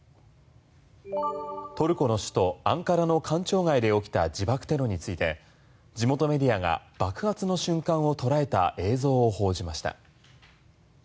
トルコの首都アンカラの官庁街で起きた自爆テロについて地元メディアが爆発の瞬間を捉えた映像を報じました。